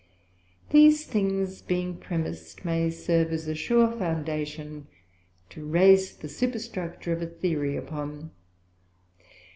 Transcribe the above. These things being premised may serve as a sure Foundation to raise the Superstructure of a Theory upon.